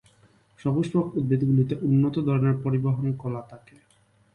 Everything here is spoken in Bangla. সপুষ্পক উদ্ভিদ গুলোতে উন্নত ধরনের পরিবহন কলা থাকে।